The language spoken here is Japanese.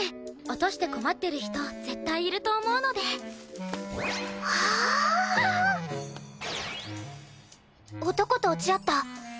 落として困ってる人絶対いると思うので。はあ！？男と落ち合った！